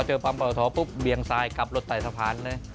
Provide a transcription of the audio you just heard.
พอเจอปั๊มกว่าละท้อปุ๊บเบียงทรายกลับรถใส่สะพานเลย